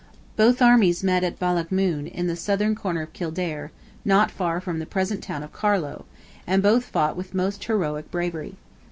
Both armies met at Ballaghmoon, in the southern corner of Kildare, not far from the present town of Carlow, and both fought with most heroic bravery.